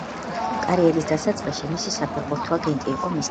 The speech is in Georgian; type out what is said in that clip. კარიერის დასაწყისში მისი საფეხბურთო აგენტი იყო მისი ძმა.